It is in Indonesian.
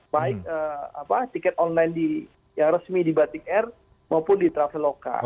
baik tiket online yang resmi di batik air maupun di traveloka